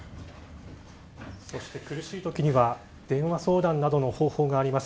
そして苦しいときには電話相談などの方法があります。